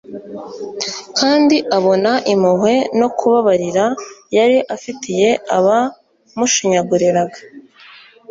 kandi abona impuhwe no kubabarira yari afitiye abamushinyaguriraga